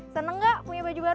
senang nggak punya baju baru